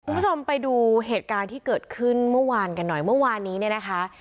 คุณผู้ชมไปดูเหตุการณ์ที่เกิดขึ้นเมื่อวานกันหน่อยเมื่อวานนี้เนี่ยนะคะ